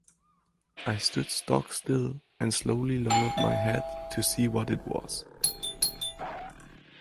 I stood stock-still and slowly lowered my head to see what it was.